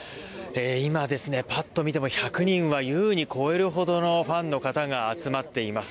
今、パッと見ても１００人は優に超えるほどのファンの方が集まっています。